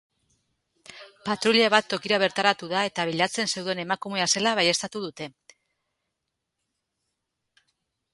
Patruila bat tokira bertaratu da eta bilatzen zeuden emakumea zela baieztatu dute.